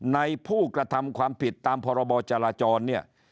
ในผู้กระทำความผิดตามพรบจราจรเนี่ย